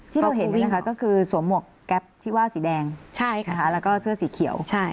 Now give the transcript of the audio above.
ที่เขาเห็นนี่นะคะก็คือสวมหมวกแก๊ปที่ว่าสีแดงแล้วก็เสื้อสีเขียว